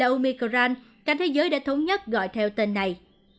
omicron cả thế giới đã thống nhất gọi theo tên này